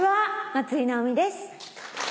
松居直美です。